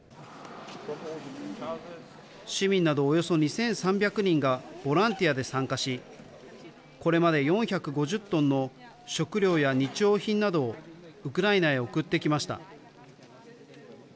市民などおよそ２３００人がボランティアで参加し、これまで４５０トンの食料や日用品などをウクライナへ送ってきました。